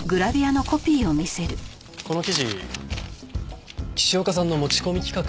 この記事岸岡さんの持ち込み企画だったそうですね。